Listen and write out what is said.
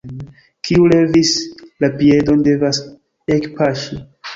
Kiu levis la piedon, devas ekpaŝi.